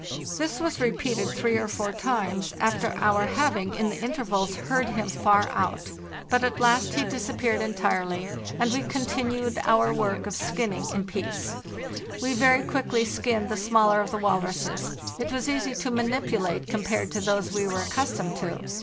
This was repeated three or four times after our having in the inter vals heard him far out; but at last he disappeared entire Il.—27 418 FARTHEST NORTH ly, and we continued our work of skinning in peace. We very quickly skinned the smaller of the walruses; it was easy to manipulate compared to those we were accus tomed to.